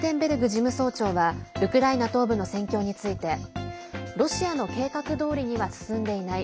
事務総長はウクライナ東部の戦況についてロシアの計画どおりには進んでいない。